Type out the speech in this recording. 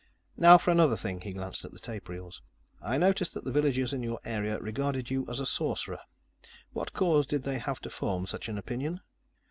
Now for another thing." He glanced at the tape reels. "I noticed that the villagers in your area regarded you as a sorcerer. What cause did they have to form such an opinion?"